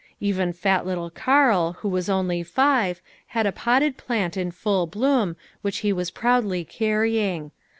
Even fat little Karl who was only five, had a potted plant in full bloom, which he was proudly carrying.